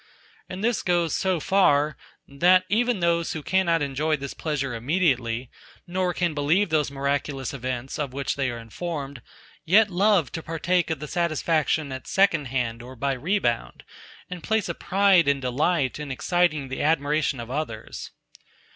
And this goes so far, that even those who cannot enjoy this pleasure immediately, nor can believe those miraculous events, of which they are informed, yet love to partake of the satisfaction at second hand or by rebound, and place a pride and delight in exciting the admiration of others.